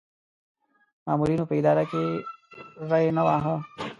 مامورینو په اداره کې ری نه واهه.